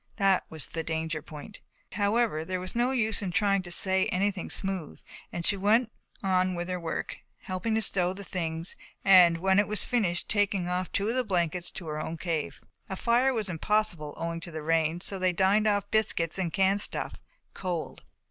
That was the danger point. However, there was no use in trying to say anything smooth and she went on with her work, helping to stow the things and, when that was finished, taking off two of the blankets to her own cave. A fire was impossible owing to the rain so they dined off biscuits and canned stuff, cold.